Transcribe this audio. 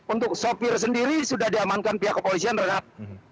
untuk sopir sendiri sudah diamankan pihak kepolisian renat